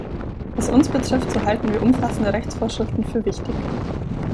Was uns betrifft, so halten wir umfassende Rechtsvorschriften für wichtig.